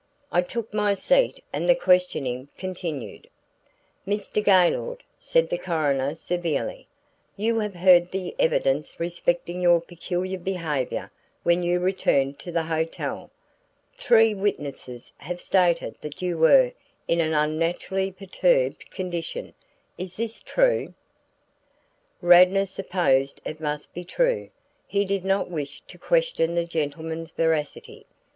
I took my seat and the questioning continued. "Mr. Gaylord," said the coroner, severely, "you have heard the evidence respecting your peculiar behavior when you returned to the hotel. Three witnesses have stated that you were in an unnaturally perturbed condition. Is this true?" Radnor supposed it must be true. He did not wish to question the gentlemen's veracity.